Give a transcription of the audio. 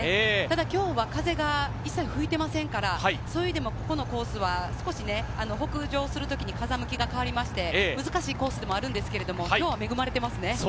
今日は風が一切吹いていませんから、ここのコースは少し北上するとき風向きが変わって難しいコースでもあるんですけど今日は恵まれていますね。